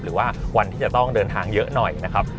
หรือว่าวันที่จะต้องเดินทางเยอะหน่อยนะครับ